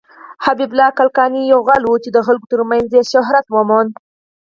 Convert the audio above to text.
حبيب الله کلکاني يو غل وه ،چې د خلکو تر منځ يې شهرت وموند.